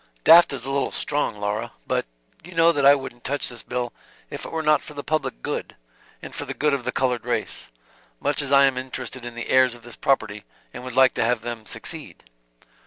"Daft is a little strong, Laura. But you know that I wouldn't touch this bill if it were not for the public good, and for the good of the colored race; much as I am interested in the heirs of this property, and would like to have them succeed."